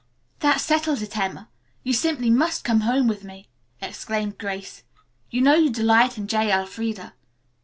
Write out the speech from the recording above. "That settles it, Emma, you simply must come home with me!" exclaimed Grace. "You know you delight in J. Elfreda."